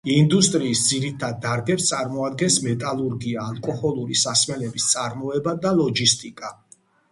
ინდუსტრიის ძირითად დარგებს წარმოადგენს მეტალურგია, ალკოჰოლური სასმელების წარმოება და ლოჯისტიკა.